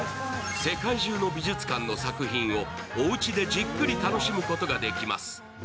世界中の美術館の作品をおうちでじっくり楽しむことができます。